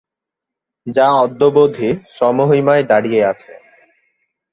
যা অদ্যাবধি স্বমহিমায় দাঁড়িয়ে আছে।